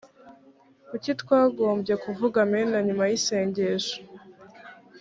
kuki twagombye kuvuga amen nyuma y isengesho